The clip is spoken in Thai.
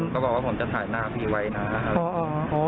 เขาบอกว่าผมจะถ่ายหน้าพี่ไว้นะครับ